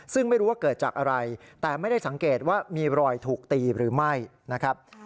ซึ่งไม่รู้ว่าเกิดจากอะไรแต่ไม่ได้สังเกตว่ามีรอยถูกตีหรือไม่นะครับ